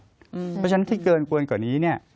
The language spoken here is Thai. เพราะฉะนั้นที่เกินกว่านี้